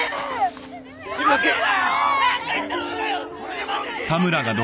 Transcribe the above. すいません